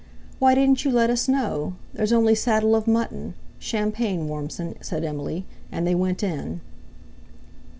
"Why didn't you let us know? There's only saddle of mutton. Champagne, Warmson," said Emily. And they went in.